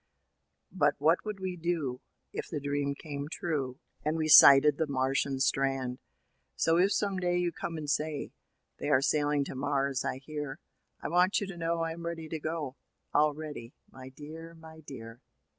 But what would we do if the dream came true, And we sighted the Martian strand? So, if some day you come and say, They are sailing to Mars, I hear. I want you to know I am ready to go,— All ready, my dear, my dear.